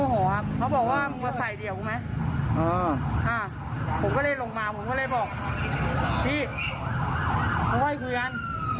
พอทีนี้เขาวิ่งมาต่อยผมผมก็เลยต้องชับมีดออกมาครับ